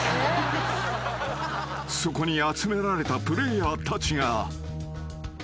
［そこに集められたプレーヤーたちが］